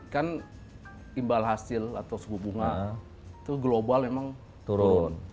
kan imbal hasil atau suku bunga itu global memang turun